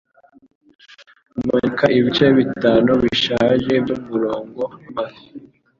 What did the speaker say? amanika ibice bitanu bishaje byumurongo wamafi,